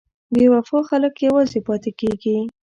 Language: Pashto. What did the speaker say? بې وفا خلک یوازې پاتې کېږي.